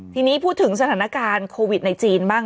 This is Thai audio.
ทีนี้พูดถึงสถานการณ์โควิดในจีนบ้าง